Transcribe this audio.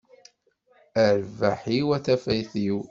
A rrbeḥ-iw, a tafat-iw!